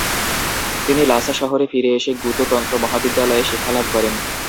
তিনি লাসা শহরে ফিরে এসে গ্যুতো তন্ত্র মহাবিদ্যালয়ে শিক্ষালাভ করেন।